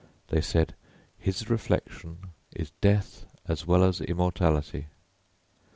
They said, _His reflection is death as well as immortality.